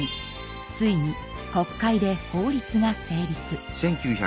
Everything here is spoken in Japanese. ついに国会で法律が成立。